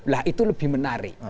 lah itu lebih menarik